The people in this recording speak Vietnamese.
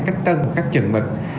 cách tân cách trừng mực